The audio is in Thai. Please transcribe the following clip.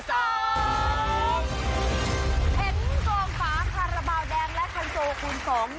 เห็นโขงฝาพระเบาแดงและคันโซคูณสอง